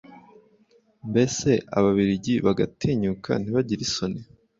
mbese ababiligi bagatinyuka ntibagire isoni